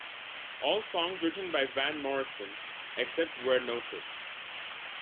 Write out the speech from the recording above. All songs written by Van Morrison, except where noted.